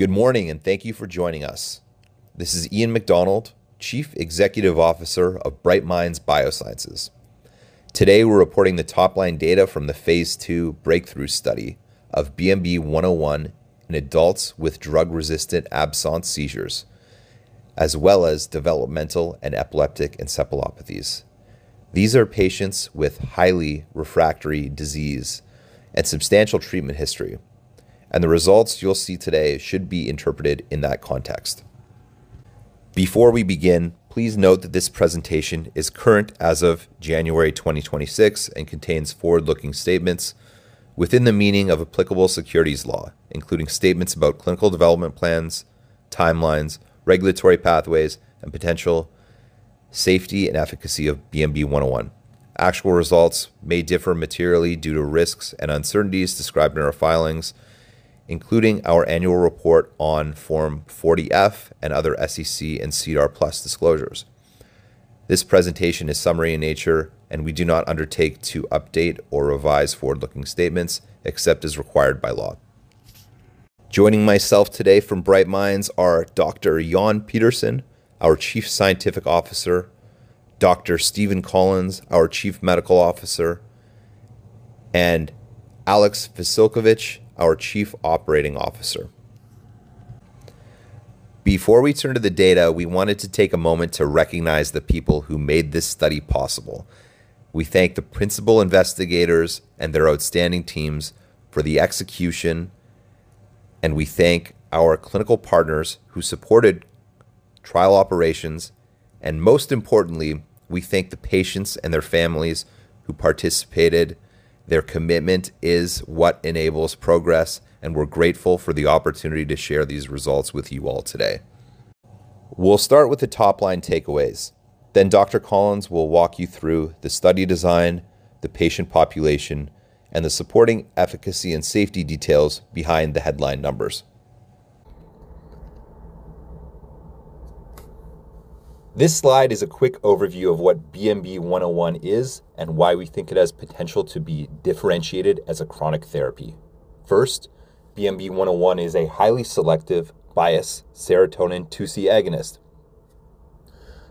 Good morning, and thank you for joining us. This is Ian McDonald, Chief Executive Officer of Bright Minds Biosciences. Today we're reporting the top-line data from the phase II breakthrough study of BMB-101 in adults with drug-resistant absence seizures, as well as developmental and epileptic encephalopathies. These are patients with highly refractory disease and substantial treatment history, and the results you'll see today should be interpreted in that context. Before we begin, please note that this presentation is current as of January 2026 and contains forward-looking statements within the meaning of applicable securities law, including statements about clinical development plans, timelines, regulatory pathways, and potential safety and efficacy of BMB-101. Actual results may differ materially due to risks and uncertainties described in our filings, including our annual report on Form 40-F and other SEC and SEDAR+ disclosures. This presentation is summary in nature, and we do not undertake to update or revise forward-looking statements except as required by law. Joining myself today from Bright Minds are Dr. Jan Pedersen, our Chief Scientific Officer, Dr. Stephen Collins, our Chief Medical Officer, and Alex Vasilkevich, our Chief Operating Officer. Before we turn to the data, we wanted to take a moment to recognize the people who made this study possible. We thank the principal investigators and their outstanding teams for the execution, and we thank our clinical partners who supported trial operations, and most importantly, we thank the patients and their families who participated. Their commitment is what enables progress, and we're grateful for the opportunity to share these results with you all today. We'll start with the top-line takeaways. Then Dr. Collins will walk you through the study design, the patient population, and the supporting efficacy and safety details behind the headline numbers. This slide is a quick overview of what BMB-101 is and why we think it has potential to be differentiated as a chronic therapy. First, BMB-101 is a highly selective biased serotonin 2C agonist.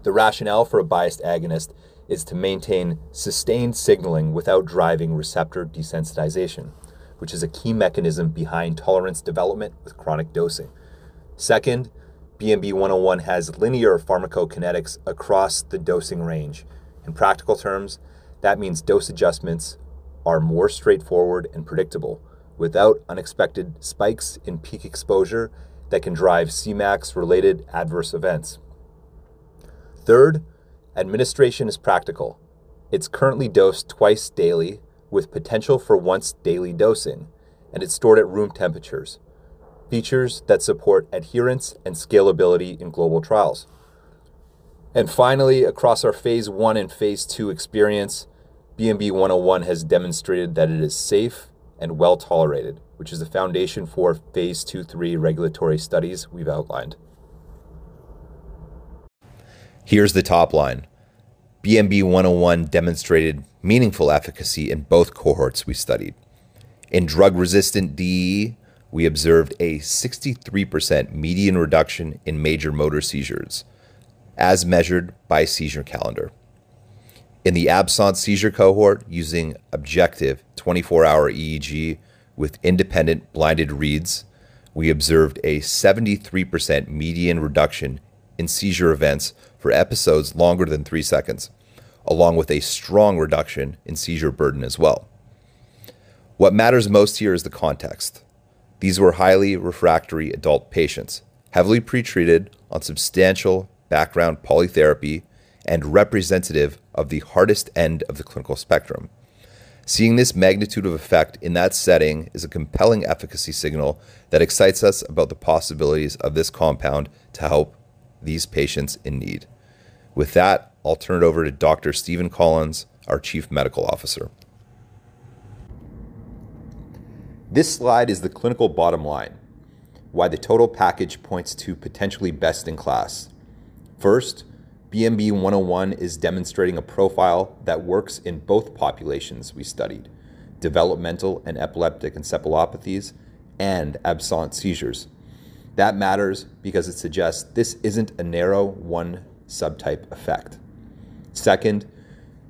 The rationale for a biased agonist is to maintain sustained signaling without driving receptor desensitization, which is a key mechanism behind tolerance development with chronic dosing. Second, BMB-101 has linear pharmacokinetics across the dosing range. In practical terms, that means dose adjustments are more straightforward and predictable without unexpected spikes in peak exposure that can drive Cmax-related adverse events. Third, administration is practical. It's currently dosed twice daily with potential for once-daily dosing, and it's stored at room temperatures, features that support adherence and scalability in global trials. Finally, across our phase I and phase II experience, BMB-101 has demonstrated that it is safe and well-tolerated, which is the foundation for phase II/III regulatory studies we've outlined. Here's the top line. BMB-101 demonstrated meaningful efficacy in both cohorts we studied. In drug-resistant DE, we observed a 63% median reduction in major motor seizures as measured by seizure calendar. In the Absence seizure cohort, using objective 24-hour EEG with independent blinded reads, we observed a 73% median reduction in seizure events for episodes longer than three seconds, along with a strong reduction in seizure burden as well. What matters most here is the context. These were highly refractory adult patients, heavily pretreated on substantial background polytherapy, and representative of the hardest end of the clinical spectrum. Seeing this magnitude of effect in that setting is a compelling efficacy signal that excites us about the possibilities of this compound to help these patients in need. With that, I'll turn it over to Dr. Stephen Collins, our Chief Medical Officer. This slide is the clinical bottom line, why the total package points to potentially best in class. First, BMB-101 is demonstrating a profile that works in both populations we studied: developmental and epileptic encephalopathies and absence seizures. That matters because it suggests this isn't a narrow one-subtype effect. Second,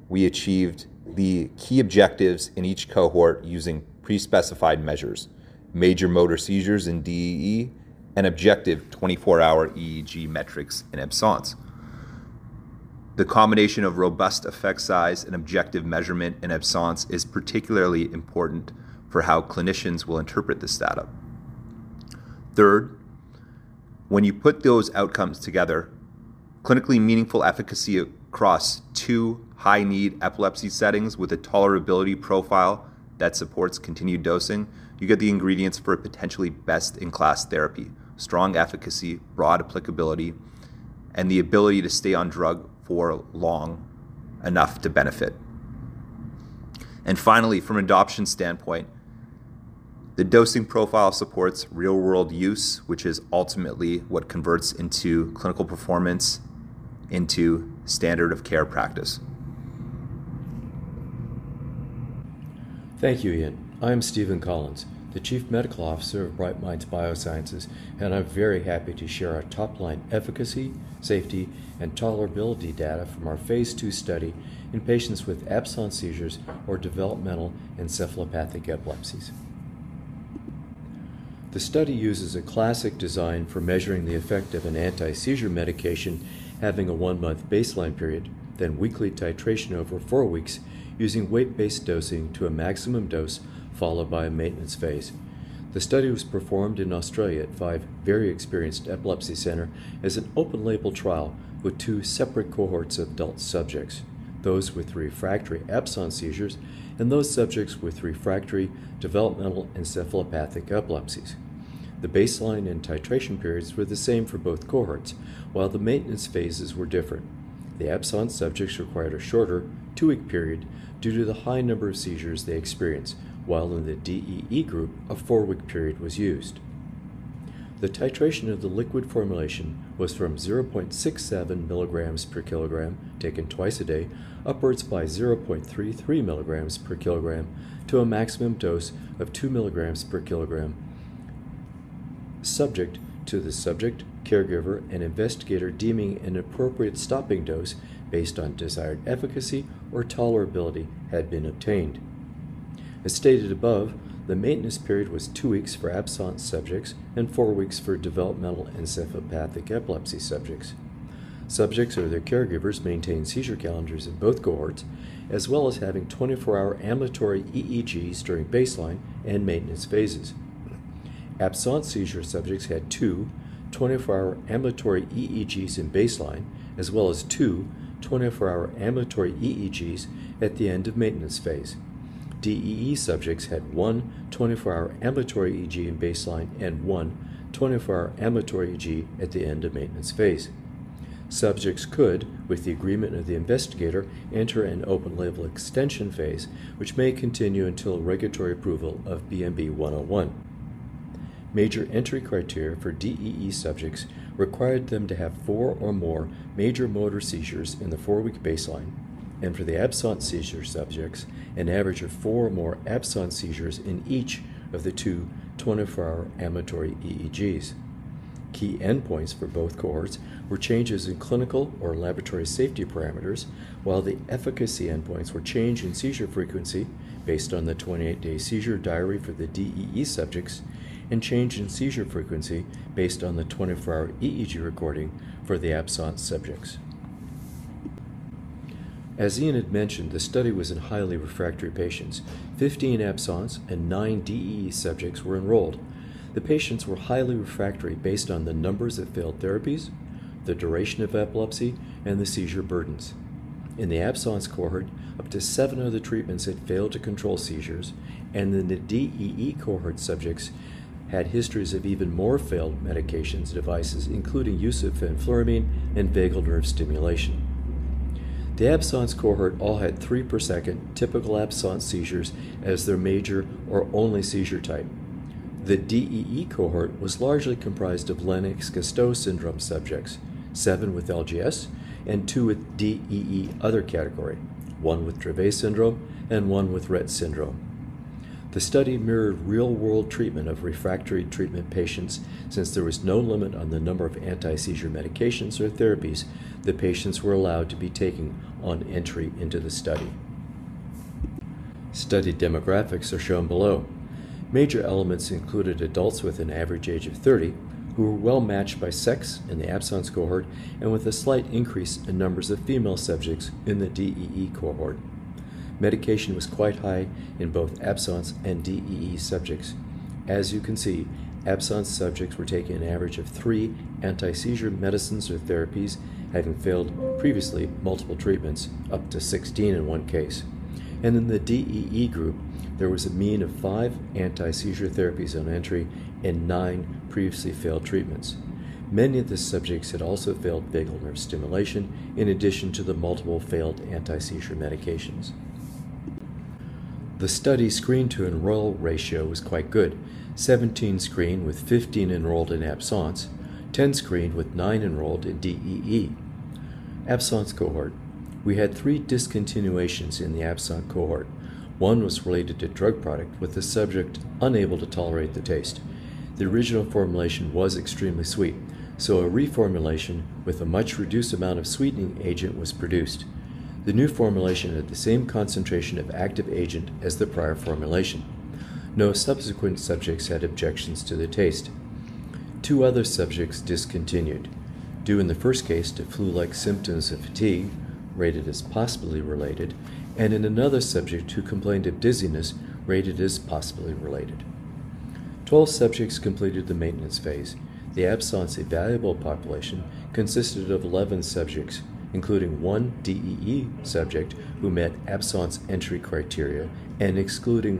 we achieved the key objectives in each cohort using pre-specified measures: major motor seizures in DE and objective 24-hour EEG metrics in absence. The combination of robust effect size and objective measurement in absence is particularly important for how clinicians will interpret the status. Third, when you put those outcomes together, clinically meaningful efficacy across two high-need epilepsy settings with a tolerability profile that supports continued dosing, you get the ingredients for a potentially best-in-class therapy: strong efficacy, broad applicability, and the ability to stay on drug for long enough to benefit. Finally, from an adoption standpoint, the dosing profile supports real-world use, which is ultimately what converts into clinical performance, into standard of care practice. Thank you, Ian. I am Stephen Collins, the Chief Medical Officer of Bright Minds Biosciences, and I'm very happy to share our top-line efficacy, safety, and tolerability data from our Phase 2 study in patients with absence seizures or developmental and epileptic encephalopathies. The study uses a classic design for measuring the effect of an anti-seizure medication, having a one-month baseline period, then weekly titration over four weeks using weight-based dosing to a maximum dose followed by a maintenance phase. The study was performed in Australia at five very experienced epilepsy centers as an open-label trial with two separate cohorts of adult subjects: those with refractory absence seizures and those subjects with refractory developmental and epileptic encephalopathies. The baseline and titration periods were the same for both cohorts, while the maintenance phases were different. The absence subjects required a shorter two-week period due to the high number of seizures they experienced, while in the DEE group, a four-week period was used. The titration of the liquid formulation was from 0.67 milligrams per kilogram, taken twice a day, upwards by 0.33 milligrams per kilogram to a maximum dose of 2 milligrams per kilogram, subject to the subject, caregiver, and investigator deeming an appropriate stopping dose based on desired efficacy or tolerability had been obtained. As stated above, the maintenance period was two weeks for absence subjects and four weeks for developmental and epileptic encephalopathy subjects. Subjects or their caregivers maintained seizure calendars in both cohorts, as well as having 24-hour ambulatory EEGs during baseline and maintenance phases. Absence seizure subjects had two 24-hour ambulatory EEGs in baseline, as well as two 24-hour ambulatory EEGs at the end of maintenance phase. DEE subjects had one 24-hour ambulatory EEG in baseline and one 24-hour ambulatory EEG at the end of maintenance phase. Subjects could, with the agreement of the investigator, enter an open-label extension phase, which may continue until regulatory approval of BMB-101. Major entry criteria for DEE subjects required them to have four or more major motor seizures in the four-week baseline, and for the absence seizure subjects, an average of four or more absence seizures in each of the two 24-hour ambulatory EEGs. Key endpoints for both cohorts were changes in clinical or laboratory safety parameters, while the efficacy endpoints were change in seizure frequency based on the 28-day seizure diary for the DEE subjects and change in seizure frequency based on the 24-hour EEG recording for the absence subjects. As Ian had mentioned, the study was in highly refractory patients. 15 absence and nine DEE subjects were enrolled. The patients were highly refractory based on the numbers of failed therapies, the duration of epilepsy, and the seizure burdens. In the absence cohort, up to seven of the treatments had failed to control seizures, and in the DEE cohort, subjects had histories of even more failed medications and devices, including use of fenfluramine and vagus nerve stimulation. The absence cohort all had three per second typical absence seizures as their major or only seizure type. The DEE cohort was largely comprised of Lennox-Gastaut syndrome subjects: seven with LGS and two with DEE other category, one with Dravet syndrome and one with Rett syndrome. The study mirrored real-world treatment of refractory treatment patients. Since there was no limit on the number of anti-seizure medications or therapies, the patients were allowed to be taken on entry into the study. Study demographics are shown below. Major elements included adults with an average age of 30 who were well matched by sex in the absence cohort and with a slight increase in numbers of female subjects in the DEE cohort. Medication was quite high in both absence and DEE subjects. As you can see, absence subjects were taking an average of three anti-seizure medicines or therapies, having failed previously multiple treatments, up to 16 in one case. In the DEE group, there was a mean of five anti-seizure therapies on entry and nine previously failed treatments. Many of the subjects had also failed vagal nerve stimulation in addition to the multiple failed anti-seizure medications. The study screen-to-enroll ratio was quite good: 17 screened with 15 enrolled in absence, 10 screened with nine enrolled in DEE. Absence cohort: we had three discontinuations in the absence cohort. One was related to drug product, with the subject unable to tolerate the taste. The original formulation was extremely sweet, so a reformulation with a much reduced amount of sweetening agent was produced. The new formulation had the same concentration of active agent as the prior formulation. No subsequent subjects had objections to the taste. Two other subjects discontinued, due in the first case to flu-like symptoms of fatigue, rated as possibly related, and in another subject who complained of dizziness, rated as possibly related. 12 subjects completed the maintenance phase. The absence evaluable population consisted of 11 subjects, including one DEE subject who met absence entry criteria and excluding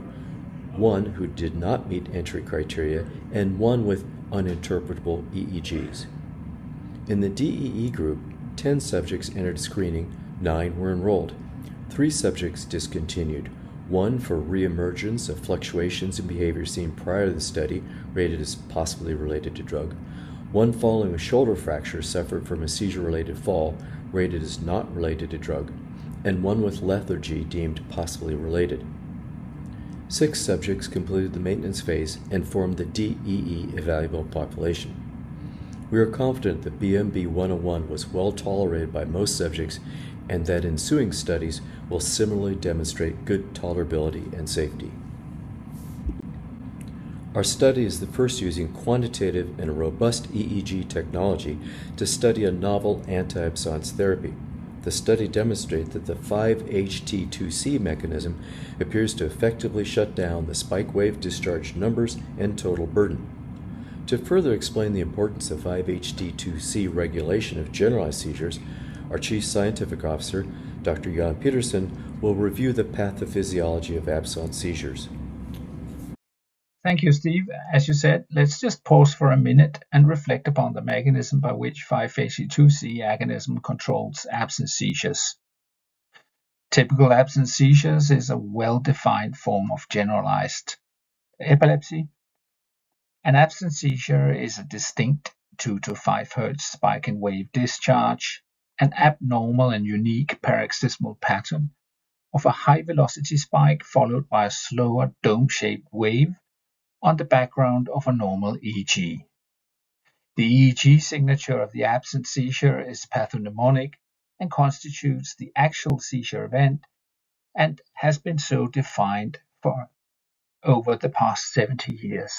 one who did not meet entry criteria and one with uninterpretable EEGs. In the DEE group, 10 subjects entered screening, nine were enrolled. Three subjects discontinued: one for re-emergence of fluctuations in behavior seen prior to the study, rated as possibly related to drug. One falling with shoulder fracture suffered from a seizure-related fall, rated as not related to drug, and one with lethargy deemed possibly related. Six subjects completed the maintenance phase and formed the DEE evaluable population. We are confident that BMB-101 was well tolerated by most subjects and that ensuing studies will similarly demonstrate good tolerability and safety. Our study is the first using quantitative and robust EEG technology to study a novel anti-absence therapy. The study demonstrated that the 5-HT2C mechanism appears to effectively shut down the spike-wave discharge numbers and total burden. To further explain the importance of 5-HT2C regulation of generalized seizures, our Chief Scientific Officer, Dr. Jan Pedersen, will review the pathophysiology of absence seizures. Thank you, Steve. As you said, let's just pause for a minute and reflect upon the mechanism by which 5-HT2C mechanism controls absence seizures. Typical absence seizures is a well-defined form of generalized epilepsy. An absence seizure is a distinct 2-5 Hz spike-wave discharge, an abnormal and unique paroxysmal pattern of a high-velocity spike followed by a slower dome-shaped wave on the background of a normal EEG. The EEG signature of the absence seizure is pathognomonic and constitutes the actual seizure event and has been so defined for over the past 70 years.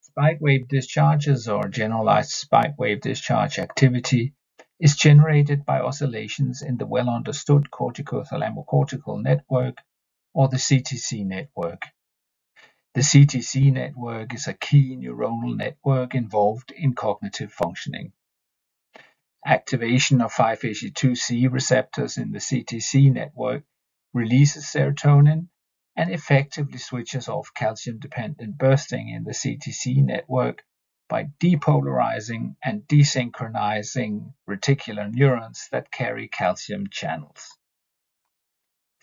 Spike-wave discharges, or generalized spike-wave discharge activity, is generated by oscillations in the well-understood corticothalamocortical network, or the CTC network. The CTC network is a key neuronal network involved in cognitive functioning. Activation of 5-HT2C receptors in the CTC network releases serotonin and effectively switches off calcium-dependent bursting in the CTC network by depolarizing and desynchronizing reticular neurons that carry calcium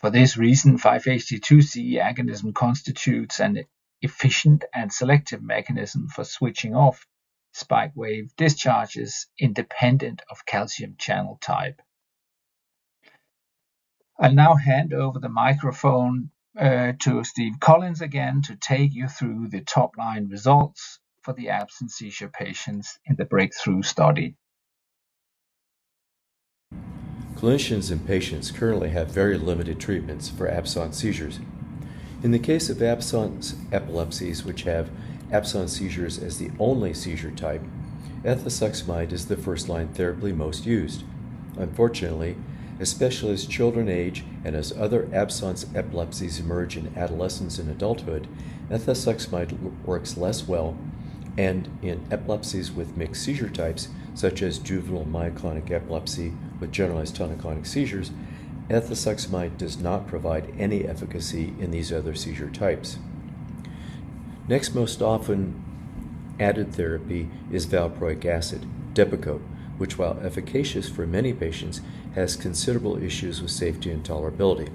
channels. For this reason, 5-HT2C mechanism constitutes an efficient and selective mechanism for switching off spike-wave discharges independent of calcium channel type. I'll now hand over the microphone to Steve Collins again to take you through the top-line results for the absence seizure patients in the breakthrough study. Clinicians and patients currently have very limited treatments for absence seizures. In the case of absence epilepsies, which have absence seizures as the only seizure type, ethosuximide is the first-line therapy most used. Unfortunately, especially as children age and as other absence epilepsies emerge in adolescence and adulthood, ethosuximide works less well, and in epilepsies with mixed seizure types, such as juvenile myoclonic epilepsy with generalized tonic-clonic seizures, ethosuximide does not provide any efficacy in these other seizure types. Next most often added therapy is valproic acid, Depakote, which, while efficacious for many patients, has considerable issues with safety and tolerability.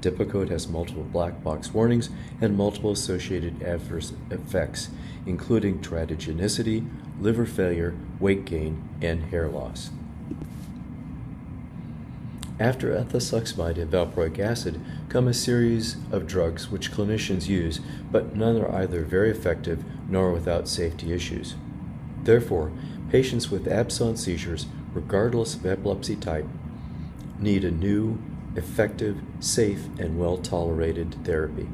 Depakote has multiple black box warnings and multiple associated adverse effects, including teratogenicity, liver failure, weight gain, and hair loss. After ethosuximide and valproic acid come a series of drugs which clinicians use, but none are either very effective nor without safety issues. Therefore, patients with absence seizures, regardless of epilepsy type, need a new, effective, safe, and well-tolerated therapy.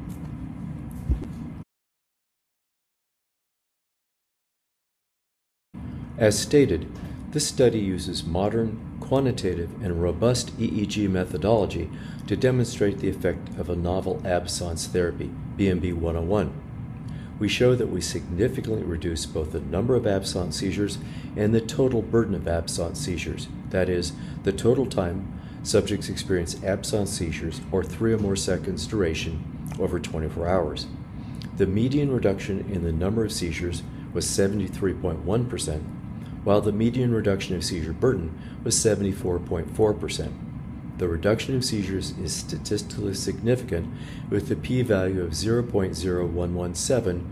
As stated, this study uses modern, quantitative, and robust EEG methodology to demonstrate the effect of a novel absence therapy, BMB-101. We show that we significantly reduce both the number of absence seizures and the total burden of absence seizures. That is, the total time subjects experience absence seizures or three or more seconds' duration over 24 hours. The median reduction in the number of seizures was 73.1%, while the median reduction of seizure burden was 74.4%. The reduction of seizures is statistically significant, with a p-value of 0.0117,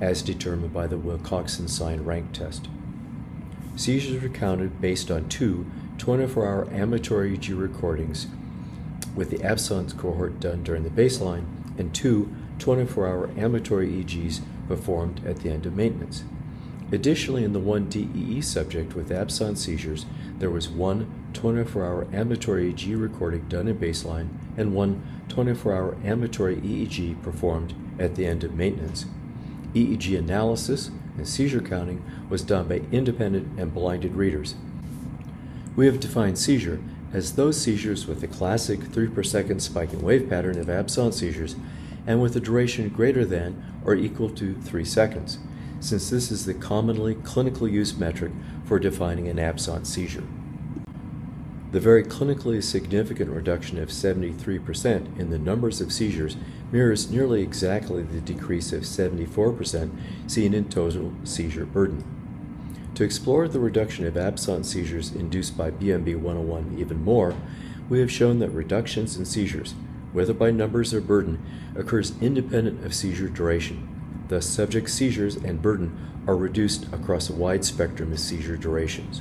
as determined by the Wilcoxon signed-rank test. Seizures are counted based on two 24-hour ambulatory EEG recordings with the absence cohort done during the baseline and two 24-hour ambulatory EEGs performed at the end of maintenance. Additionally, in the one DEE subject with absence seizures, there was one 24-hour ambulatory EEG recording done at baseline and one 24-hour ambulatory EEG performed at the end of maintenance. EEG analysis and seizure counting was done by independent and blinded readers. We have defined seizure as those seizures with the classic 3 per second spike and wave pattern of absence seizures and with a duration greater than or equal to 3 seconds, since this is the commonly clinically used metric for defining an absence seizure. The very clinically significant reduction of 73% in the numbers of seizures mirrors nearly exactly the decrease of 74% seen in total seizure burden. To explore the reduction of absence seizures induced by BMB-101 even more, we have shown that reductions in seizures, whether by numbers or burden, occur independent of seizure duration. Thus, subject seizures and burden are reduced across a wide spectrum of seizure durations.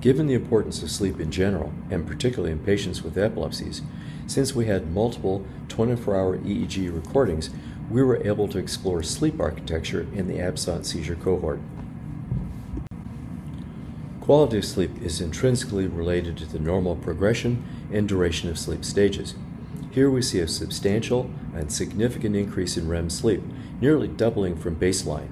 Given the importance of sleep in general, and particularly in patients with epilepsies, since we had multiple 24-hour EEG recordings, we were able to explore sleep architecture in the absence seizure cohort. Quality of sleep is intrinsically related to the normal progression and duration of sleep stages. Here, we see a substantial and significant increase in REM sleep, nearly doubling from baseline.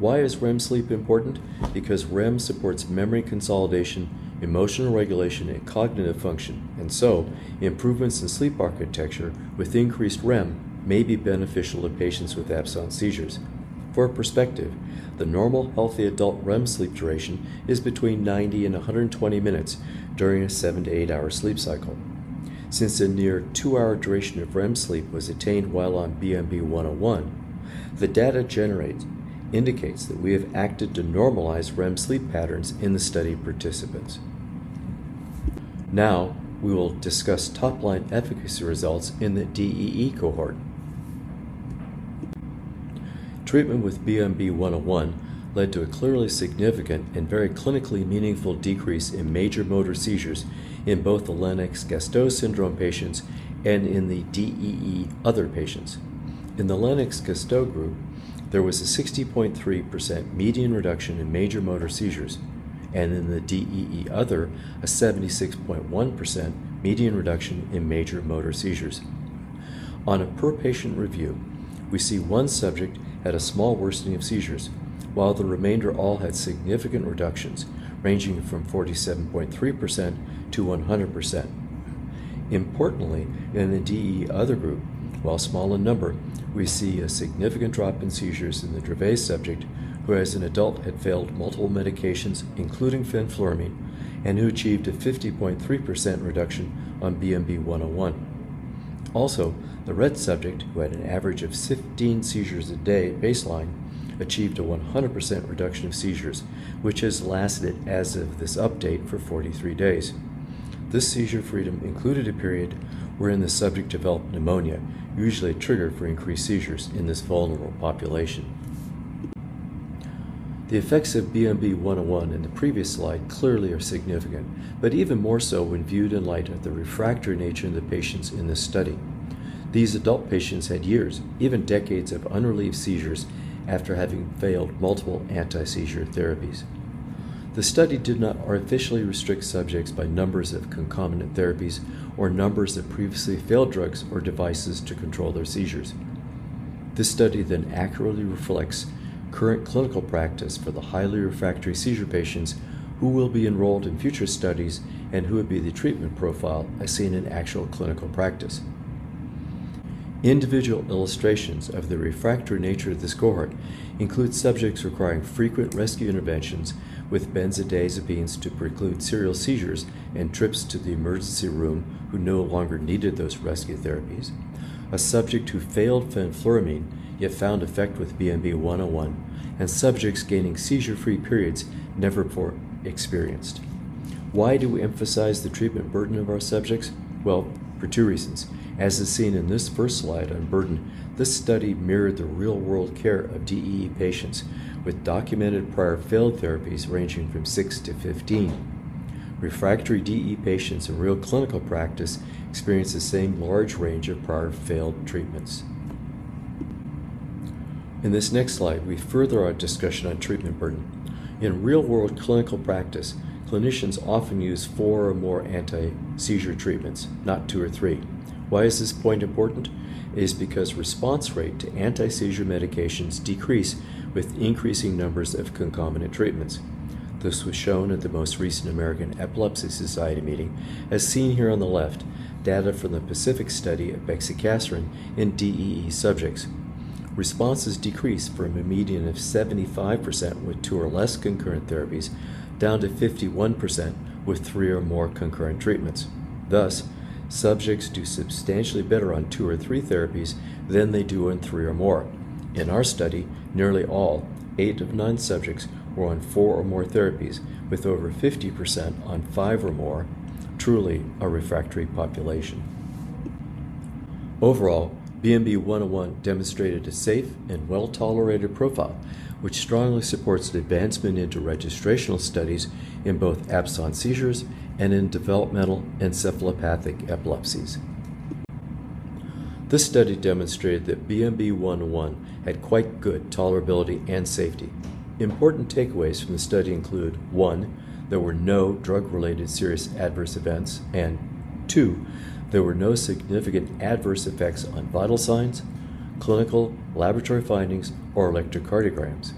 Why is REM sleep important? Because REM supports memory consolidation, emotional regulation, and cognitive function, and so improvements in sleep architecture with increased REM may be beneficial to patients with absence seizures. For perspective, the normal healthy adult REM sleep duration is between 90 and 120 minutes during a seven to eight-hour sleep cycle. Since a near 2-hour duration of REM sleep was attained while on BMB-101, the data generated indicates that we have acted to normalize REM sleep patterns in the study participants. Now, we will discuss top-line efficacy results in the DEE cohort. Treatment with BMB-101 led to a clearly significant and very clinically meaningful decrease in major motor seizures in both the Lennox-Gastaut syndrome patients and in the DEE other patients. In the Lennox-Gastaut group, there was a 60.3% median reduction in major motor seizures, and in the DEE other, a 76.1% median reduction in major motor seizures. On a per-patient review, we see one subject had a small worsening of seizures, while the remainder all had significant reductions ranging from 47.3% to 100%. Importantly, in the DEE other group, while small in number, we see a significant drop in seizures in the Dravet subject, who as an adult had failed multiple medications, including fenfluramine, and who achieved a 50.3% reduction on BMB-101. Also, the Rett subject, who had an average of 15 seizures a day at baseline, achieved a 100% reduction of seizures, which has lasted as of this update for 43 days. This seizure freedom included a period wherein the subject developed pneumonia, usually a trigger for increased seizures in this vulnerable population. The effects of BMB-101 in the previous slide clearly are significant, but even more so when viewed in light of the refractory nature of the patients in the study. These adult patients had years, even decades, of unrelieved seizures after having failed multiple anti-seizure therapies. The study did not artificially restrict subjects by numbers of concomitant therapies or numbers of previously failed drugs or devices to control their seizures. This study then accurately reflects current clinical practice for the highly refractory seizure patients who will be enrolled in future studies and who would be the treatment profile as seen in actual clinical practice. Individual illustrations of the refractory nature of this cohort include subjects requiring frequent rescue interventions with benzodiazepines to preclude serial seizures and trips to the emergency room who no longer needed those rescue therapies, a subject who failed fenfluramine yet found effect with BMB-101, and subjects gaining seizure-free periods never experienced. Why do we emphasize the treatment burden of our subjects? Well, for two reasons. As is seen in this first slide on burden, this study mirrored the real-world care of DEE patients with documented prior failed therapies ranging from 6-15. Refractory DEE patients in real clinical practice experience the same large range of prior failed treatments. In this next slide, we further our discussion on treatment burden. In real-world clinical practice, clinicians often use four or more anti-seizure treatments, not two or three. Why is this point important? It is because response rate to anti-seizure medications decreases with increasing numbers of concomitant treatments. This was shown at the most recent American Epilepsy Society meeting, as seen here on the left, data from the PACIFIC study of bexicaserin in DEE subjects. Responses decreased from a median of 75% with two or less concurrent therapies down to 51% with three or more concurrent treatments. Thus, subjects do substantially better on two or three therapies than they do on three or more. In our study, nearly all, eight of nine subjects, were on four or more therapies, with over 50% on five or more, truly a refractory population. Overall, BMB-101 demonstrated a safe and well-tolerated profile, which strongly supports advancement into registrational studies in both absence seizures and in developmental and epileptic encephalopathies. This study demonstrated that BMB-101 had quite good tolerability and safety. Important takeaways from the study include: one, there were no drug-related serious adverse events; and two, there were no significant adverse effects on vital signs, clinical, laboratory findings, or electrocardiograms.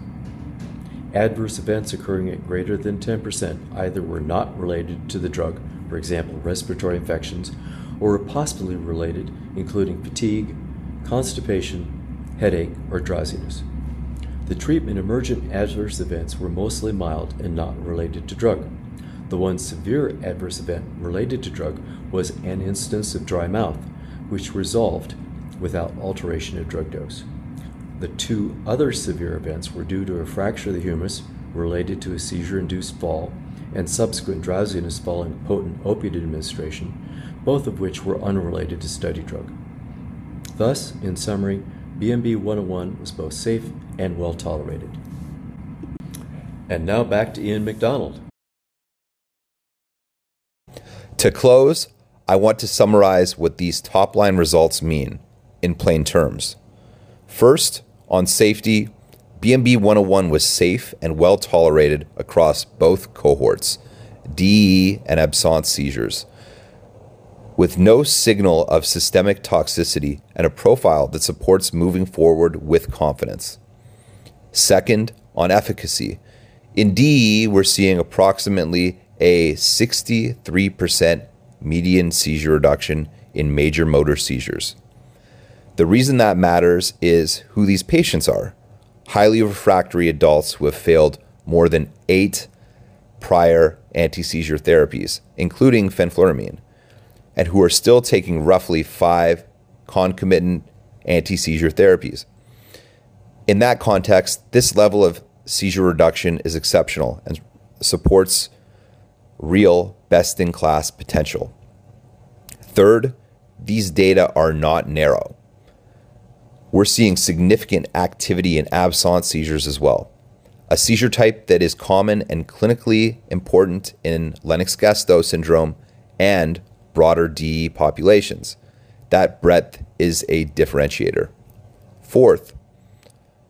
Adverse events occurring at greater than 10% either were not related to the drug, for example, respiratory infections, or were possibly related, including fatigue, constipation, headache, or drowsiness. The treatment emergent adverse events were mostly mild and not related to drug. The one severe adverse event related to drug was an instance of dry mouth, which resolved without alteration of drug dose. The two other severe events were due to a fracture of the humerus related to a seizure-induced fall and subsequent drowsiness following potent opiate administration, both of which were unrelated to study drug. Thus, in summary, BMB-101 was both safe and well-tolerated. Now back to Ian McDonald. To close, I want to summarize what these top-line results mean in plain terms. First, on safety, BMB-101 was safe and well-tolerated across both cohorts, DEE and absence seizures, with no signal of systemic toxicity and a profile that supports moving forward with confidence. Second, on efficacy, in DEE, we're seeing approximately a 63% median seizure reduction in major motor seizures. The reason that matters is who these patients are: highly refractory adults who have failed more than eight prior anti-seizure therapies, including fenfluramine, and who are still taking roughly five concomitant anti-seizure therapies. In that context, this level of seizure reduction is exceptional and supports real best-in-class potential. Third, these data are not narrow. We're seeing significant activity in absence seizures as well, a seizure type that is common and clinically important in Lennox-Gastaut syndrome and broader DEE populations. That breadth is a differentiator. Fourth,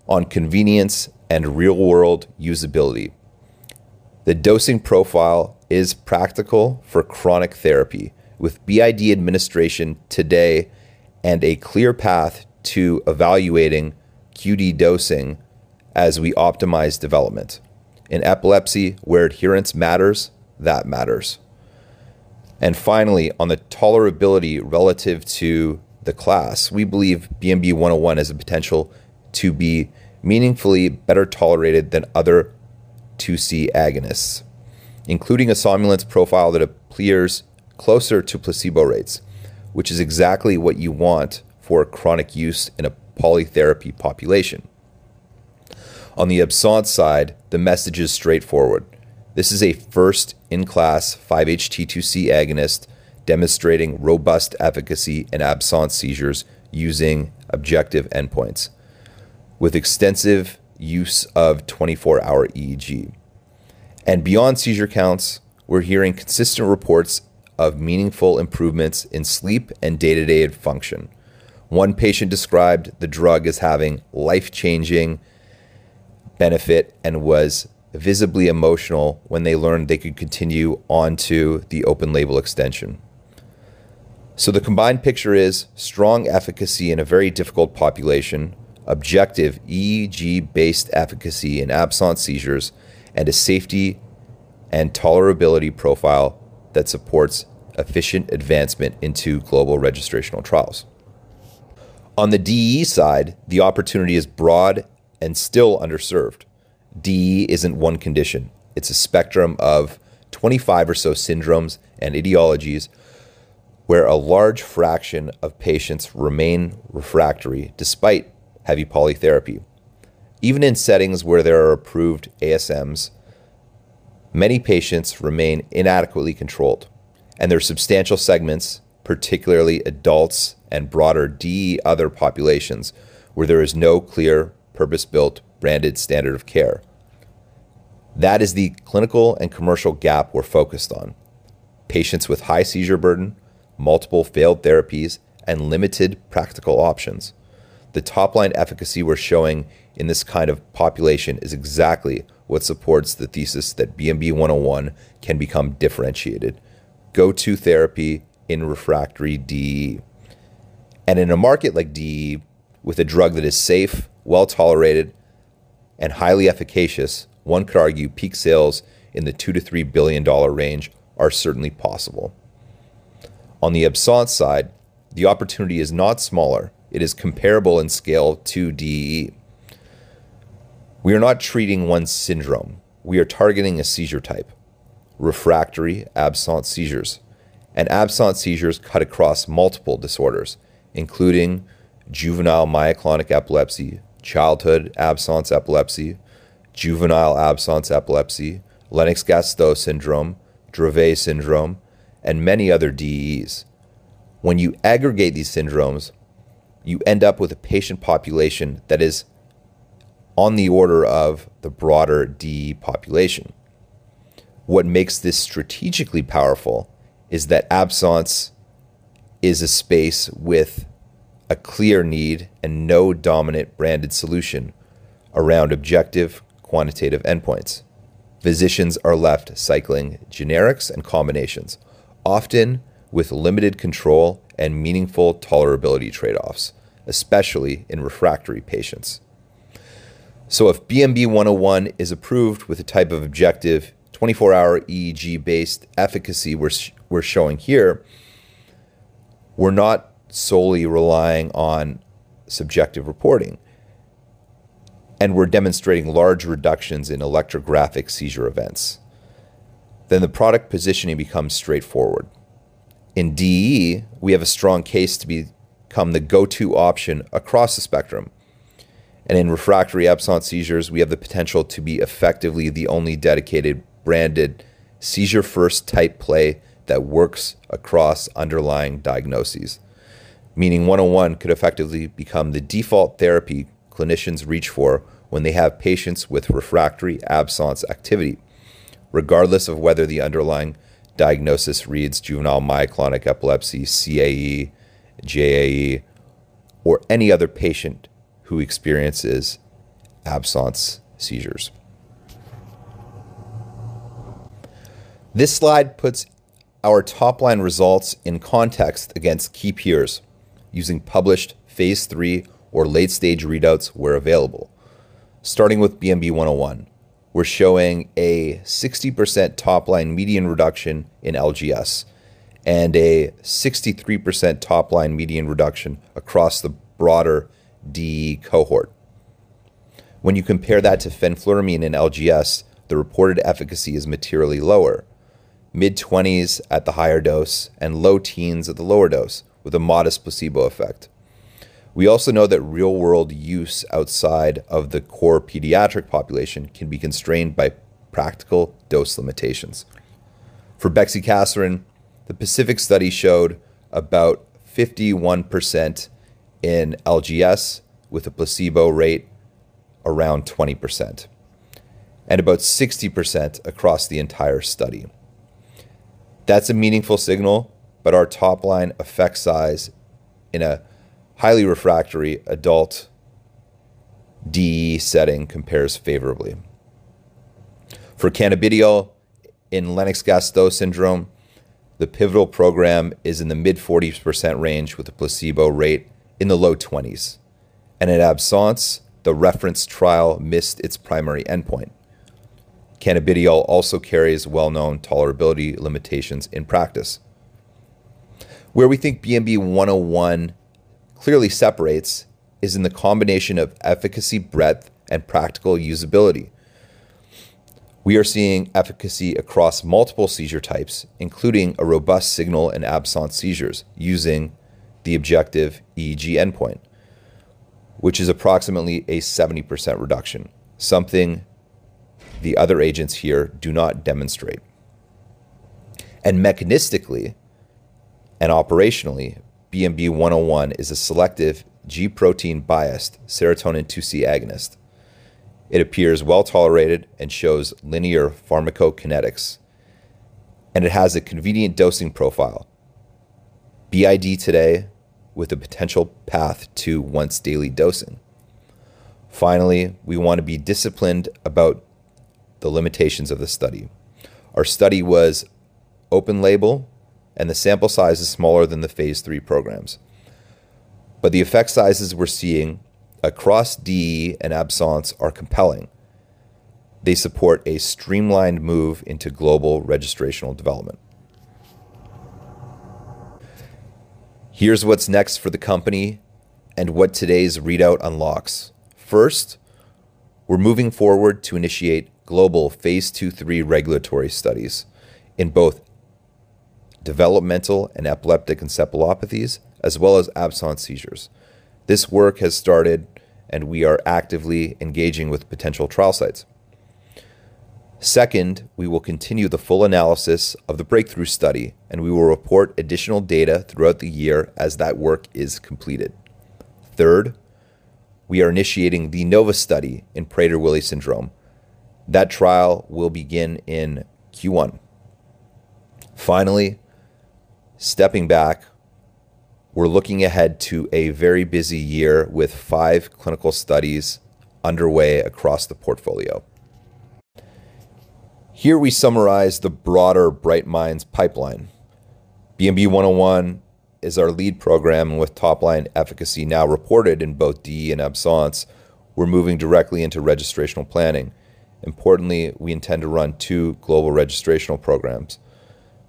on convenience and real-world usability. The dosing profile is practical for chronic therapy with BID administration today and a clear path to evaluating QD dosing as we optimize development. In epilepsy, where adherence matters, that matters. Finally, on the tolerability relative to the class, we believe BMB-101 has the potential to be meaningfully better tolerated than other 2C agonists, including a somnolence profile that appears closer to placebo rates, which is exactly what you want for chronic use in a polytherapy population. On the absence side, the message is straightforward. This is a first-in-class 5-HT2C agonist demonstrating robust efficacy in absence seizures using objective endpoints with extensive use of 24-hour EEG. Beyond seizure counts, we're hearing consistent reports of meaningful improvements in sleep and day-to-day function. One patient described the drug as having life-changing benefit and was visibly emotional when they learned they could continue onto the open-label extension. So the combined picture is strong efficacy in a very difficult population, objective EEG-based efficacy in absence seizures, and a safety and tolerability profile that supports efficient advancement into global registrational trials. On the DEE side, the opportunity is broad and still underserved. DEE isn't one condition. It's a spectrum of 25 or so syndromes and etiologies where a large fraction of patients remain refractory despite heavy polytherapy. Even in settings where there are approved ASMs, many patients remain inadequately controlled, and there are substantial segments, particularly adults and broader DEE other populations, where there is no clear purpose-built, branded standard of care. That is the clinical and commercial gap we're focused on: patients with high seizure burden, multiple failed therapies, and limited practical options. The top-line efficacy we're showing in this kind of population is exactly what supports the thesis that BMB-101 can become differentiated, go-to therapy in refractory DEE. In a market like DEE, with a drug that is safe, well-tolerated, and highly efficacious, one could argue peak sales in the $2-$3 billion range are certainly possible. On the absence side, the opportunity is not smaller. It is comparable in scale to DEE. We are not treating one syndrome. We are targeting a seizure type: refractory absence seizures. Absence seizures cut across multiple disorders, including juvenile myoclonic epilepsy, childhood absence epilepsy, juvenile absence epilepsy, Lennox-Gastaut syndrome, Dravet syndrome, and many other DEEs. When you aggregate these syndromes, you end up with a patient population that is on the order of the broader DEE population. What makes this strategically powerful is that absence is a space with a clear need and no dominant branded solution around objective quantitative endpoints. Physicians are left cycling generics and combinations, often with limited control and meaningful tolerability trade-offs, especially in refractory patients. So if BMB-101 is approved with a type of objective 24-hour EEG-based efficacy we're showing here, we're not solely relying on subjective reporting, and we're demonstrating large reductions in electrographic seizure events, then the product positioning becomes straightforward. In DEE, we have a strong case to become the go-to option across the spectrum. In refractory absence seizures, we have the potential to be effectively the only dedicated branded seizure-first type play that works across underlying diagnoses, meaning 101 could effectively become the default therapy clinicians reach for when they have patients with refractory absence activity, regardless of whether the underlying diagnosis reads juvenile myoclonic epilepsy, CAE, JAE, or any other patient who experiences absence seizures. This slide puts our top-line results in context against key peers using published phase 3 or late-stage readouts where available. Starting with BMB-101, we're showing a 60% top-line median reduction in LGS and a 63% top-line median reduction across the broader DEE cohort. When you compare that to fenfluramine in LGS, the reported efficacy is materially lower: mid-20s at the higher dose and low teens at the lower dose with a modest placebo effect. We also know that real-world use outside of the core pediatric population can be constrained by practical dose limitations. For bexicaserin, the PACIFIC study showed about 51% in LGS with a placebo rate around 20% and about 60% across the entire study. That's a meaningful signal, but our top-line effect size in a highly refractory adult DEE setting compares favorably. For cannabidiol in Lennox-Gastaut syndrome, the pivotal program is in the mid-40% range with a placebo rate in the low 20s, and in absence, the reference trial missed its primary endpoint. Cannabidiol also carries well-known tolerability limitations in practice. Where we think BMB-101 clearly separates is in the combination of efficacy breadth and practical usability. We are seeing efficacy across multiple seizure types, including a robust signal in absence seizures using the objective EEG endpoint, which is approximately a 70% reduction, something the other agents here do not demonstrate, and mechanistically and operationally, BMB-101 is a selective G-protein-biased serotonin 2C agonist. It appears well-tolerated and shows linear pharmacokinetics, and it has a convenient dosing profile, BID today with a potential path to once-daily dosing. Finally, we want to be disciplined about the limitations of the study. Our study was open-label, and the sample size is smaller than the phase 3 programs, but the effect sizes we're seeing across DEE and absence are compelling. They support a streamlined move into global registrational development. Here's what's next for the company and what taday's readout unlocks. First, we're moving forward to initiate global phase 2-3 regulatory studies in both developmental and epileptic encephalopathies as well as absence seizures. This work has started, and we are actively engaging with potential trial sites. Second, we will continue the full analysis of the breakthrough study, and we will report additional data throughout the year as that work is completed. Third, we are initiating the NOVA study in Prader-Willi syndrome. That trial will begin in Q1. Finally, stepping back, we're looking ahead to a very busy year with five clinical studies underway across the portfolio. Here we summarize the broader Bright Minds pipeline. BMB-101 is our lead program with top-line efficacy now reported in both DEE and absence. We're moving directly into registrational planning. Importantly, we intend to run two global registrational programs,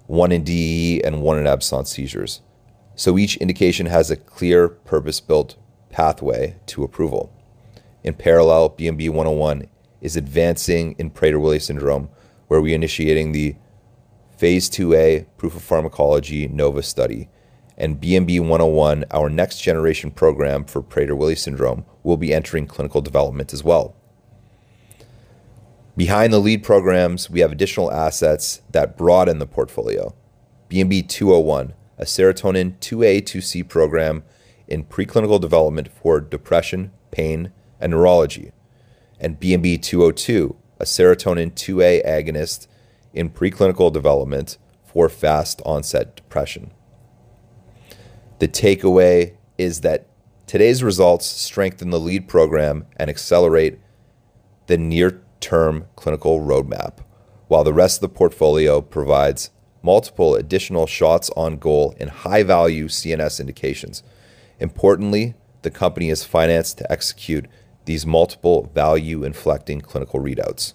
one in DEE and one in absence seizures. So each indication has a clear purpose-built pathway to approval. In parallel, BMB-101 is advancing in Prader-Willi syndrome, where we are initiating the phase 2a proof of pharmacology NOVA study and BMB-101, our next-generation program for Prader-Willi syndrome, will be entering clinical development as well. Behind the lead programs, we have additional assets that broaden the portfolio: BMB-201, a serotonin 2A/2C program in preclinical development for depression, pain, and neurology; and BMB-202, a serotonin 2A agonist in preclinical development for fast-onset depression. The takeaway is that today's results strengthen the lead program and accelerate the near-term clinical roadmap, while the rest of the portfolio provides multiple additional shots on goal in high-value CNS indications. Importantly, the company is financed to execute these multiple value-inflecting clinical readouts.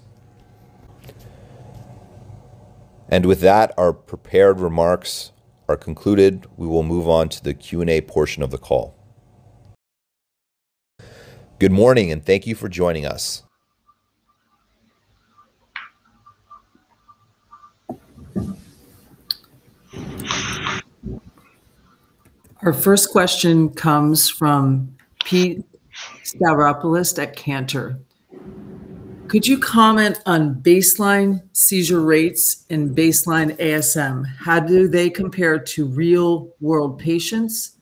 With that, our prepared remarks are concluded. We will move on to the Q&A portion of the call. Good morning, and thank you for joining us. Our first question comes from Pete Stavropoulos at Cantor. Could you comment on baseline seizure rates and baseline ASM? How do they compare to real-world patients?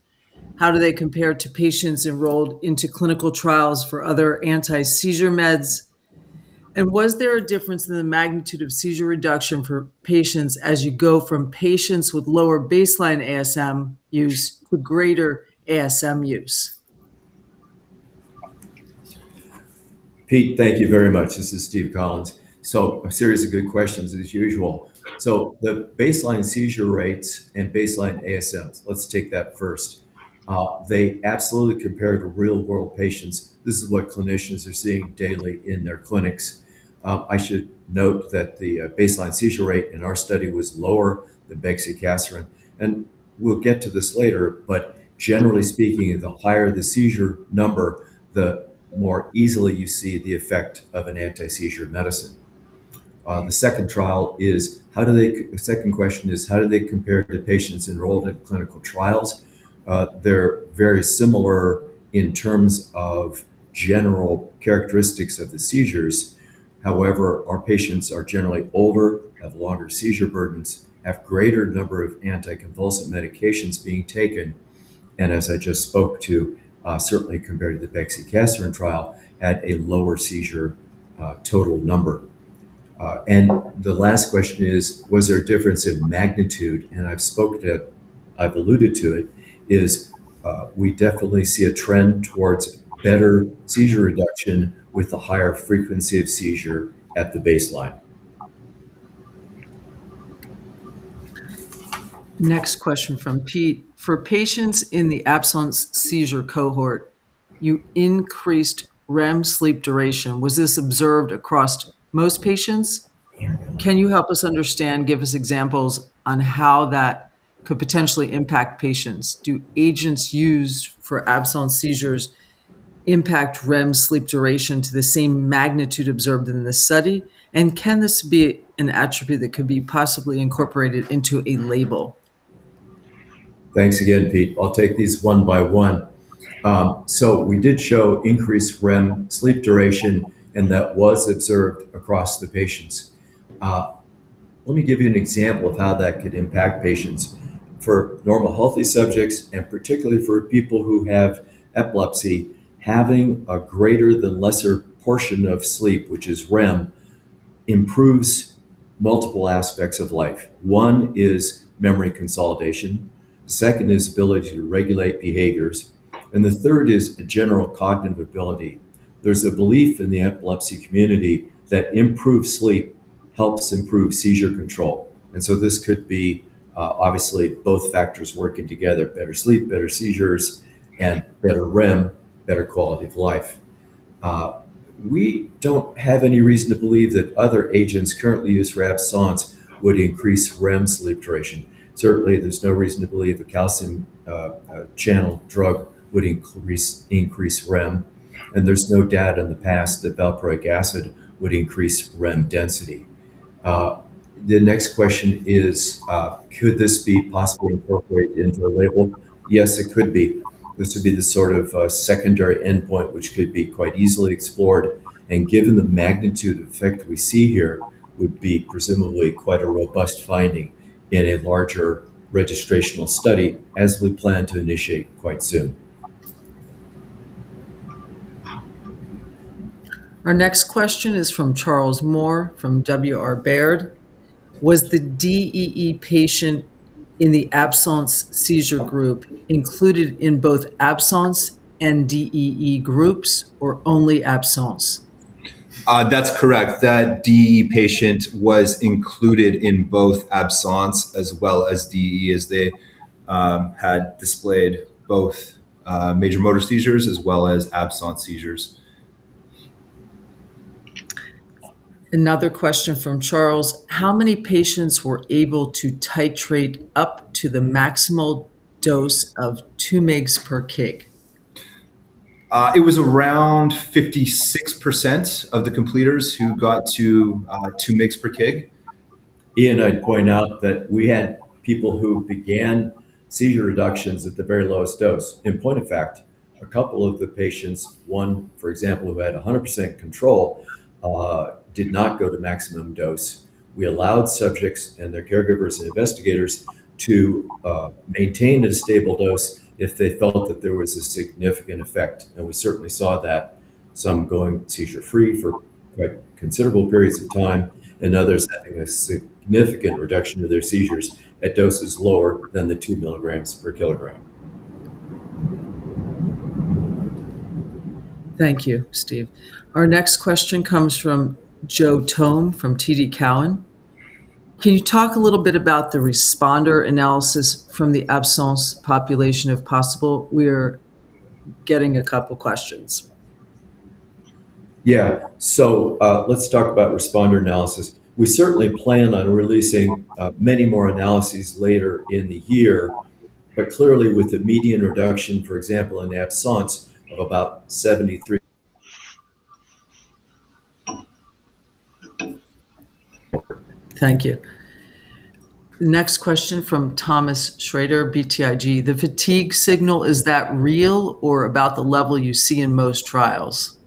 How do they compare to patients enrolled into clinical trials for other anti-seizure meds, and was there a difference in the magnitude of seizure reduction for patients as you go from patients with lower baseline ASM use to greater ASM use? Pete, thank you very much. This is Stephen Collins. A series of good questions, as usual. The baseline seizure rates and baseline ASMs, let's take that first. They absolutely compare to real-world patients. This is what clinicians are seeing daily in their clinics. I should note that the baseline seizure rate in our study was lower than bexicaserin. We'll get to this later. Generally speaking, the higher the seizure number, the more easily you see the effect of an anti-seizure medicine. The second question is, how do they compare to patients enrolled in clinical trials? They're very similar in terms of general characteristics of the seizures. However, our patients are generally older, have longer seizure burdens, have a greater number of anticonvulsant medications being taken, and, as I just spoke to, certainly compared to the bexicaserin trial, had a lower seizure total number. The last question is, was there a difference in magnitude? And I've spoke to it. I've alluded to it. We definitely see a trend towards better seizure reduction with the higher frequency of seizure at the baseline. Next question from Pete. For patients in the absence seizure cohort, you increased REM sleep duration. Was this observed across most patients? Can you help us understand, give us examples on how that could potentially impact patients? Do agents used for absence seizures impact REM sleep duration to the same magnitude observed in this study and can this be an attribute that could be possibly incorporated into a label? Thanks again, Pete. I'll take these one by one. So we did show increased REM sleep duration, and that was observed across the patients. Let me give you an example of how that could impact patients. For normal healthy subjects, and particularly for people who have epilepsy, having a greater than lesser portion of sleep, which is REM, improves multiple aspects of life. One is memory consolidation. The second is ability to regulate behaviors. And the third is general cognitive ability. There's a belief in the epilepsy community that improved sleep helps improve seizure control. And so this could be obviously both factors working together: better sleep, better seizures, and better REM, better quality of life. We don't have any reason to believe that other agents currently used for absence would increase REM sleep duration. Certainly, there's no reason to believe a calcium channel drug would increase REM. And there's no data in the past that valproic acid would increase REM density. The next question is, could this be possibly incorporated into a label? Yes, it could be. This would be the sort of secondary endpoint, which could be quite easily explored. And given the magnitude of effect we see here, it would be presumably quite a robust finding in a larger registrational study, as we plan to initiate quite soon. Our next question is from Charles Moore from WR Baird. Was the DEE patient in the absence seizure group included in both absence and DEE groups, or only absence? That's correct. That DEE patient was included in both absence as well as DEE, as they had displayed both major motor seizures as well as absence seizures. Another question from Charles. How many patients were able to titrate up to the maximal dose of two mg per kg? It was around 56% of the completers who got to two mg per kg. I'd point out that we had people who began seizure reductions at the very lowest dose. In point of fact, a couple of the patients, one, for example, who had 100% control, did not go to maximum dose. We allowed subjects and their caregivers and investigators to maintain a stable dose if they felt that there was a significant effect. And we certainly saw that some going seizure-free for quite considerable periods of time and others having a significant reduction of their seizures at doses lower than the two milligrams per kilogram. Thank you, Steve. Our next question comes from Joseph Thome from TD Cowen. Can you talk a little bit about the responder analysis from the absence population if possible? We are getting a couple of questions. Yeah. So let's talk about responder analysis. We certainly plan on releasing many more analyses later in the year. But clearly, with the median reduction, for example, in absence of about 73%. Thank you. Next question from Thomas Schrader, BTIG. The fatigue signal, is that real or about the level you see in most trials?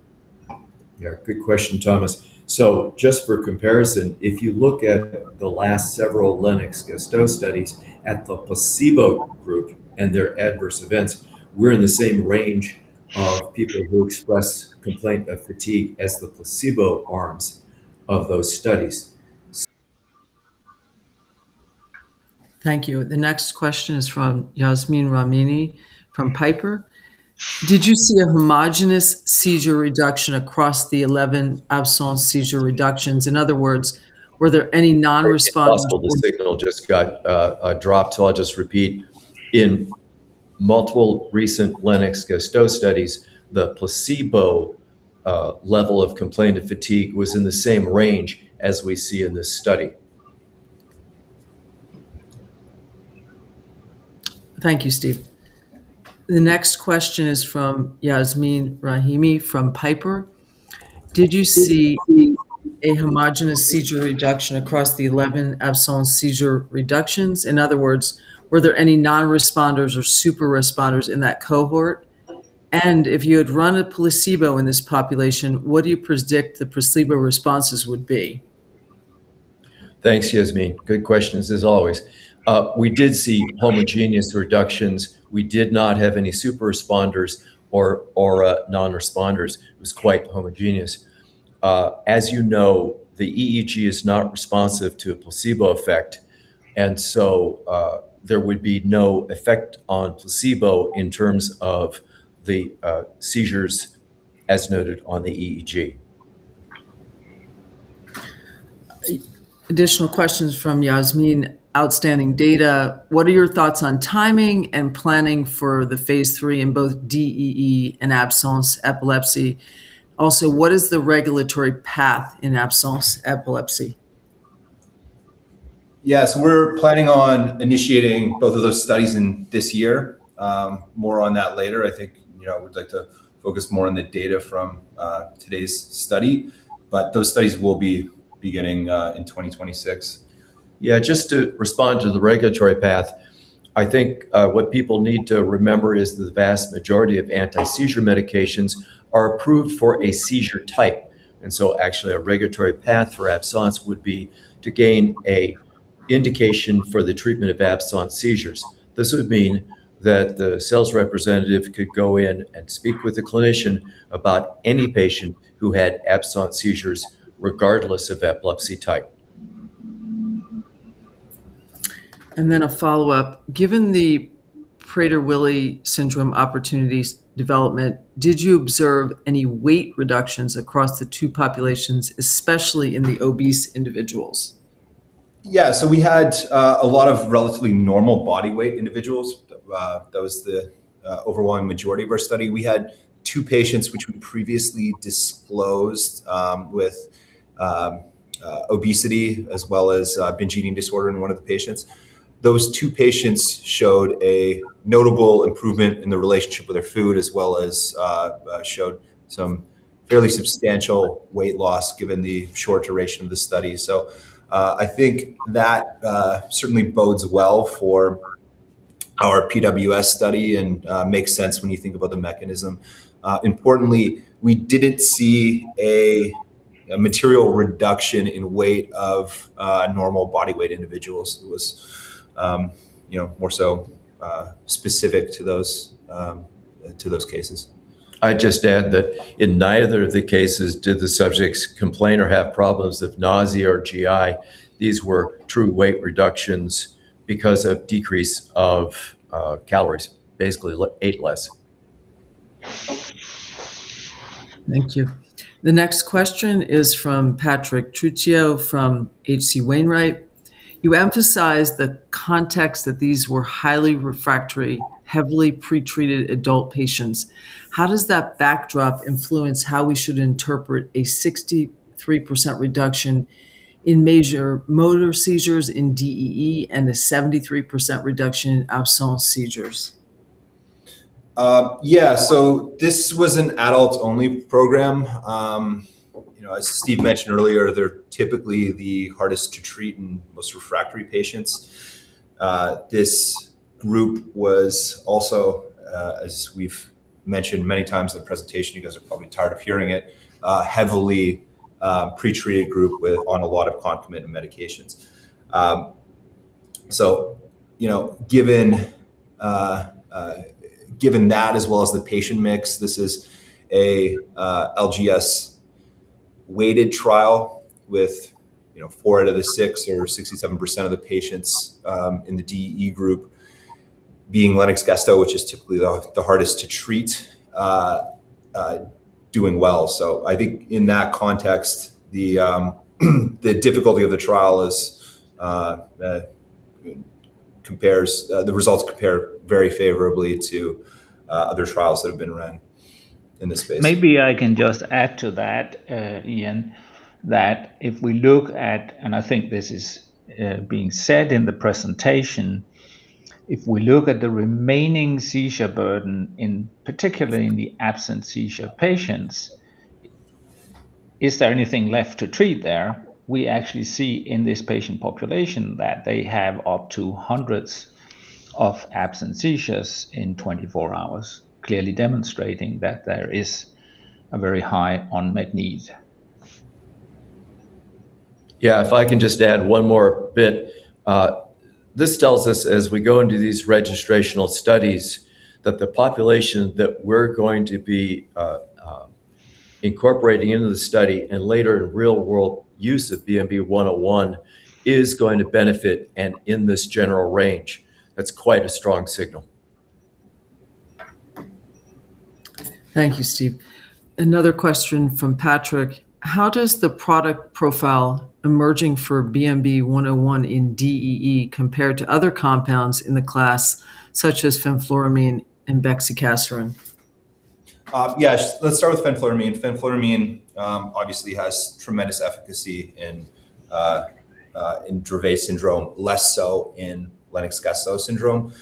Yeah. Good question, Thomas. So just for comparison, if you look at the last several Lennox-Gastaut studies at the placebo group and their adverse events, we're in the same range of people who expressed complaint of fatigue as the placebo arms of those studies. Thank you. The next question is from Yasmin Rahimi from Piper. Did you see a homogenous seizure reduction across the 11 absence seizure reductions? In other words, were there any non-responsive? The signal just got dropped. So I'll just repeat. In multiple recent Lennox-Gastaut studies, the placebo level of complaint of fatigue was in the same range as we see in this study. Thank you, Steve. The next question is from Yasmin Rahimi from Piper. Did you see a homogeneous seizure reduction across the 11 absence seizure reductions? In other words, were there any non-responders or super-responders in that cohort? If you had run a placebo in this population, what do you predict the placebo responses would be? Thanks, Yasmin. Good questions, as always. We did see homogeneous reductions. We did not have any super-responders or non-responders. It was quite homogeneous. As you know, the EEG is not responsive to a placebo effect. So there would be no effect on placebo in terms of the seizures as noted on the EEG. Additional questions from Yasmin. Outstanding data. What are your thoughts on timing and planning for the phase 3 in both DEE and absence epilepsy? Also, what is the regulatory path in absence epilepsy? Yes. We're planning on initiating both of those studies in this year. More on that later. I think we'd like to focus more on the data from today's study. But those studies will be beginning in 2026. Yeah. Just to respond to the regulatory path, I think what people need to remember is the vast majority of anti-seizure medications are approved for a seizure type. So actually, a regulatory path for absence would be to gain an indication for the treatment of absence seizures. This would mean that the sales representative could go in and speak with the clinician about any patient who had absence seizures, regardless of epilepsy type. Then a follow-up. Given the Prader-Willi syndrome opportunities development, did you observe any weight reductions across the two populations, especially in the obese individuals? Yeah. So we had a lot of relatively normal body weight individuals. That was the overwhelming majority of our study. We had two patients which we previously disclosed with obesity as well as binge eating disorder in one of the patients. Those two patients showed a notable improvement in the relationship with their food as well as showed some fairly substantial weight loss given the short duration of the study. So I think that certainly bodes well for our PWS study and makes sense when you think about the mechanism. Importantly, we didn't see a material reduction in weight of normal body weight individuals. It was more so specific to those cases. I'd just add that in neither of the cases did the subjects complain or have problems with nausea or GI. These were true weight reductions because of decrease of calories. Basically, ate less. Thank you. The next question is from Patrick Trucchio from H.C. Wainwright. You emphasized the context that these were highly refractory, heavily pretreated adult patients. How does that backdrop influence how we should interpret a 63% reduction in major motor seizures in DEE and a 73% reduction in absence seizures? Yeah. So this was an adults-only program. As Steve mentioned earlier, they're typically the hardest to treat and most refractory patients. This group was also, as we've mentioned many times in the presentation, you guys are probably tired of hearing it, a heavily pretreated group on a lot of complementing medications. So given that, as well as the patient mix, this is an LGS-weighted trial with four out of the six or 67% of the patients in the DEE group being Lennox-Gastaut, which is typically the hardest to treat, doing well. So I think in that context, the difficulty of the trial, the results compare very favorably to other trials that have been run in this space. Maybe I can just add to that, Ian, that if we look at, and I think this is being said in the presentation, if we look at the remaining seizure burden, particularly in the absence seizure patients, is there anything left to treat there? We actually see in this patient population that they have up to hundreds of absence seizures in 24 hours, clearly demonstrating that there is a very high unmet need. If I can just add one more bit. This tells us, as we go into these registrational studies, that the population that we're going to be incorporating into the study and later in real-world use of BMB-101 is going to benefit and in this general range. That's quite a strong signal. Thank you, Steve. Another question from Patrick. How does the product profile emerging for BMB-101 in DEE compare to other compounds in the class, such as fenfluramine and Bexicaserin? Yes. Let's start with fenfluramine. Fenfluramine obviously has tremendous efficacy in Dravet syndrome, less so in Lennox-Gastaut syndrome.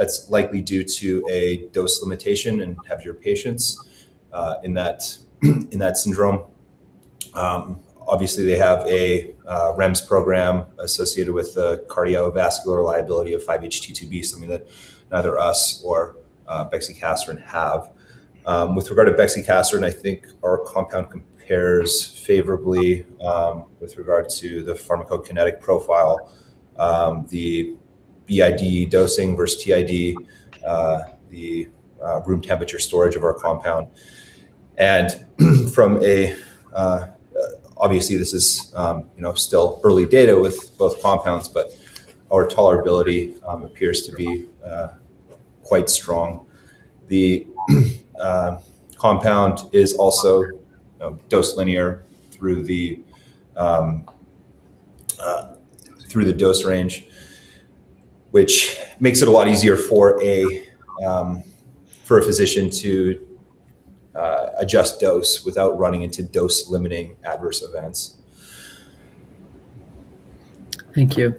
That's likely due to a dose limitation in heavier patients in that syndrome. Obviously, they have a REMS program associated with the cardiovascular liability of 5-HT2B, something that neither us nor bexicaserin have. With regard to bexicaserin, I think our compound compares favorably with regard to the pharmacokinetic profile, the BID dosing versus TID, the room temperature storage of our compound. And from a, obviously, this is still early data with both compounds, but our tolerability appears to be quite strong. The compound is also dose linear through the dose range, which makes it a lot easier for a physician to adjust dose without running into dose-limiting adverse events. Thank you.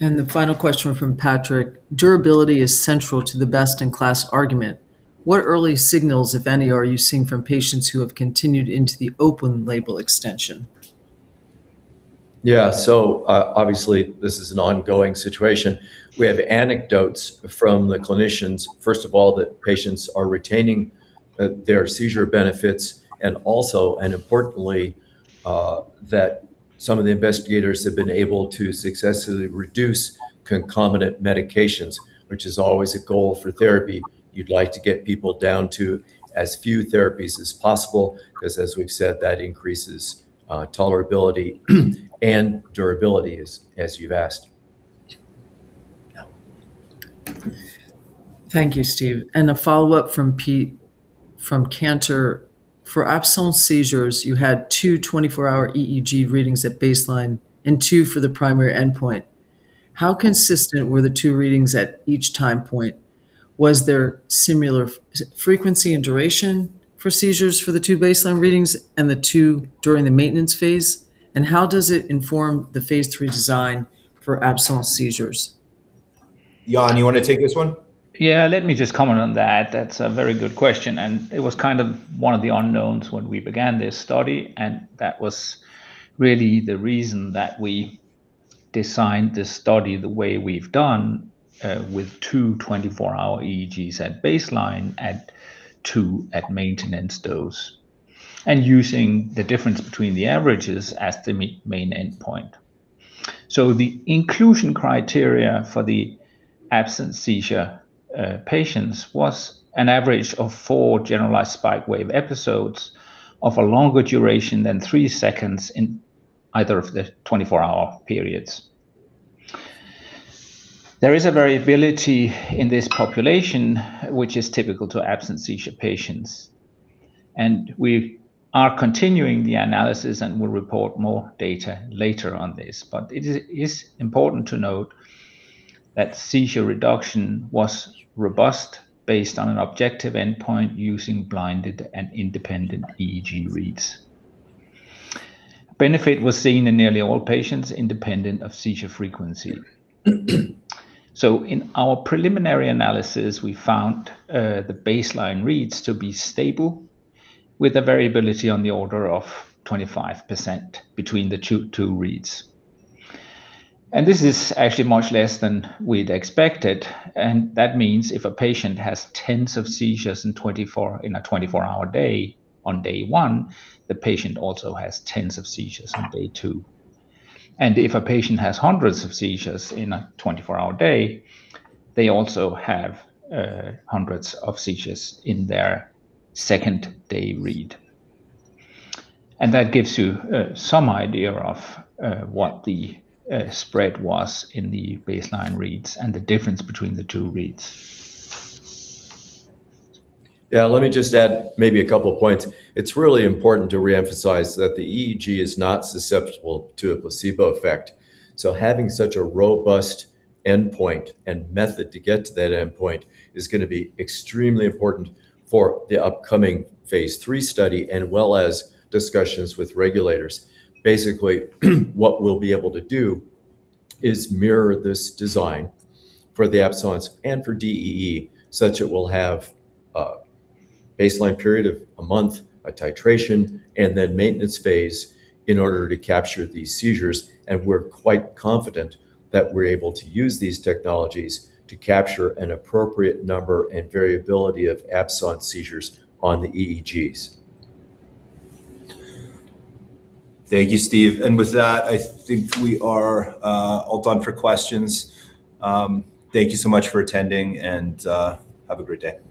And the final question from Patrick. Durability is central to the best-in-class argument. What early signals, if any, are you seeing from patients who have continued into the open label extension? Yeah. So obviously, this is an ongoing situation. We have anecdotes from the clinicians, first of all, that patients are retaining their seizure benefits. And also, and importantly, that some of the investigators have been able to successfully reduce concomitant medications, which is always a goal for therapy. You'd like to get people down to as few therapies as possible because, as we've said, that increases tolerability and durability, as you've asked. Thank you, Steve. And a follow-up from Cantor. For absence seizures, you had two 24-hour EEG readings at baseline and two for the primary endpoint. How consistent were the two readings at each time point? Was there similar frequency and duration for seizures for the two baseline readings and the two during the maintenance phase and how does it inform the phase three design for absence seizures? Jan, you want to take this one? Yeah. Let me just comment on that. That's a very good question. And it was kind of one of the unknowns when we began this study. And that was really the reason that we designed this study the way we've done with two 24-hour EEGs at baseline and two at maintenance dose and using the difference between the averages as the main endpoint. So the inclusion criteria for the absence seizure patients was an average of four generalized spike wave episodes of a longer duration than three seconds in either of the 24-hour periods. There is a variability in this population, which is typical to absence seizure patients. And we are continuing the analysis and will report more data later on this. But it is important to note that seizure reduction was robust based on an objective endpoint using blinded and independent EEG reads. Benefit was seen in nearly all patients independent of seizure frequency. So in our preliminary analysis, we found the baseline reads to be stable with a variability on the order of 25% between the two reads. And this is actually much less than we'd expected. That means if a patient has tens of seizures in a 24-hour day on day one, the patient also has tens of seizures on day two. If a patient has hundreds of seizures in a 24-hour day, they also have hundreds of seizures in their second day read. That gives you some idea of what the spread was in the baseline reads and the difference between the two reads. Yeah. Let me just add maybe a couple of points. It's really important to reemphasize that the EEG is not susceptible to a placebo effect. Having such a robust endpoint and method to get to that endpoint is going to be extremely important for the upcoming phase three study as well as discussions with regulators. Basically, what we'll be able to do is mirror this design for the absence and for DEE such that it will have a baseline period of a month, a titration, and then maintenance phase in order to capture these seizures. And we're quite confident that we're able to use these technologies to capture an appropriate number and variability of absence seizures on the EEGs. Thank you, Steve, and with that, I think we are all done for questions. Thank you so much for attending, and have a great day.